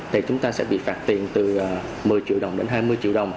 thì chúng ta sẽ bị phạt tiền từ một mươi triệu đồng đến hai mươi triệu đồng